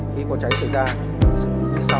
khi có cháy xảy ra